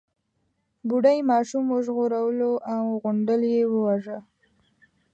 بوډۍ ماشوم وژغورلو او غونډل يې وواژه.